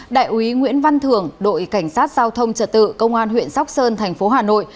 đại úy nguyễn văn thường đội cảnh sát giao thông trật tự công an huyện sóc sơn thành phố hà nội